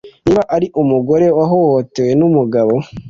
niba ari umugore wahohotewe n'umugabo